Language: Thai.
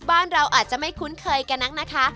บ้านเราอาจจะไม่คุ้นเคยกันนักนะคะ